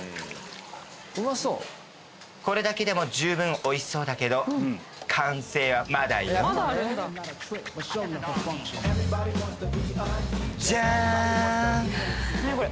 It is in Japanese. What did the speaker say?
ウマそうこれだけでも十分おいしそうだけど完成はまだよジャーン！